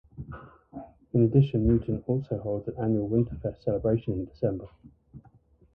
In addition Newtown also holds an annual Winterfest celebration in December.